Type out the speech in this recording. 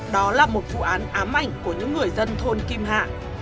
đó là một vụ án ám ảnh của những người dân thôn kim hạ